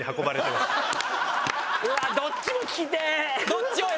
うわあどっちも聞きてえ！